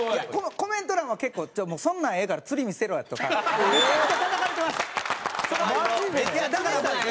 コメント欄は結構「そんなんええから釣り見せろ」とかめちゃくちゃたたかれてました。